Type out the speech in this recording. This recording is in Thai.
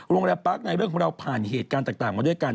โรงแรมปาร์คในเรื่องของเราผ่านเหตุการณ์ต่างมาด้วยกัน